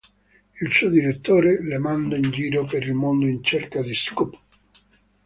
Il suo direttore la manda in giro per il mondo in cerca di "scoop".